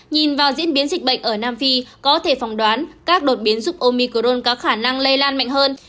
nhìn vào diễn biến dịch bệnh ở nam phi có thể phòng đoán các đột biến giúp omicrone có khả năng lây lan mạnh hơn